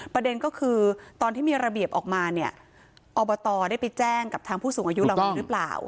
ประเด็นก็คือตอนที่มีระเบียบออกมาเนี่ยอบตได้ไปแจ้งกับทางผู้สูงอายุเหล่านี้หรือเปล่า